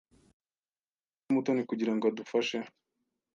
Uzabona ute Mutoni kugirango adufashe?